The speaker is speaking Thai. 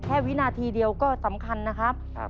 วินาทีเดียวก็สำคัญนะครับ